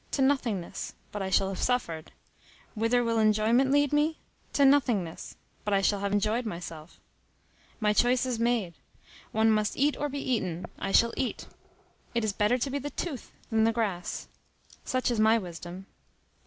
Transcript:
To nothingness; but I shall have suffered. Whither will enjoyment lead me? To nothingness; but I shall have enjoyed myself. My choice is made. One must eat or be eaten. I shall eat. It is better to be the tooth than the grass. Such is my wisdom.